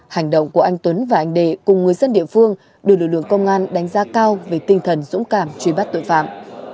hành động của anh tuấn và anh đệ cùng người dân địa phương được lực lượng công an đánh giá cao về tinh thần dũng cảm